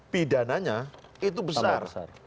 pidananya itu besar